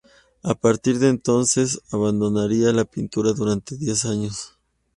A partir de entonces abandonaría la pintura durante diez años.